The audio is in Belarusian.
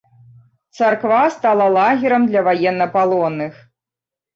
Царква стала лагерам для ваеннапалонных.